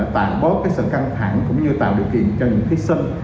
tạm bớt sự căng thẳng cũng như tạo điều kiện cho những thí sinh